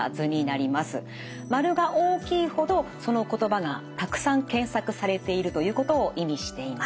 丸が大きいほどその言葉がたくさん検索されているということを意味しています。